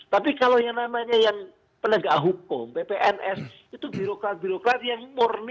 tapi kalau yang namanya yang penegak hukum ppns itu birokrat birokrat yang murni